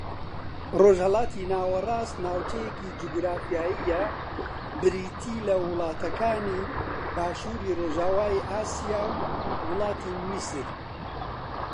ڕۆژھەڵاتی ناوەڕاست ناوچەیەکی جوگرافییە بریتی لە وڵاتەکانی باشووری ڕۆژاوای ئاسیا و وڵاتی میسر